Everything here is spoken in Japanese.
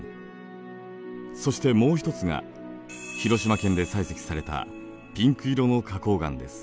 そしてもう一つが広島県で採石されたピンク色の花こう岩です。